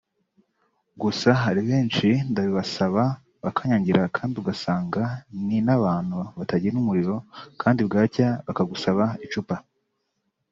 gusa hari benshi ndabibasaba bakanyangira kandi ugasanga ni n’abantu batagira umurimo kandi bwacya bakagusaba icupa